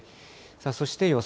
そして予想